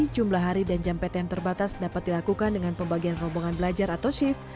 jumlah hari dan jam ptm terbatas dapat dilakukan dengan pembagian rombongan belajar atau shift